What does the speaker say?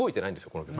この曲。